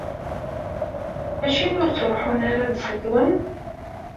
Acimi ur ttruḥun ara ad d-ṣeṭṭlen?